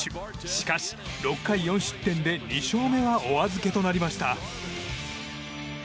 しかし、６回４失点で２勝目はお預けとなりました。